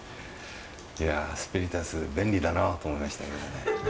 いやスピリタス便利だなと思いましたけどね。